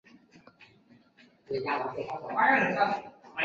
勒格灵是德国巴伐利亚州的一个市镇。